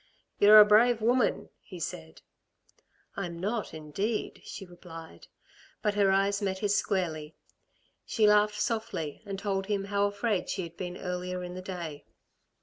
"You're a brave woman," he said. "I'm not, indeed," she replied; but her eyes met his squarely. She laughed softly, and told him how afraid she had been earlier in the day.